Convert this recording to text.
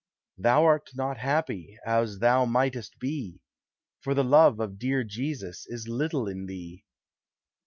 Thou art not happy, as thou mightest be, For the love of dear Jesus is little in thee.